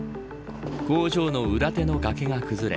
工場の裏手の崖が崩れ